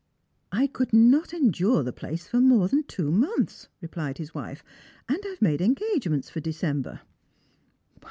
" I could not endure the place for more than two months," replied his wife, " and I have made engagements for December."